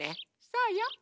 そうよ。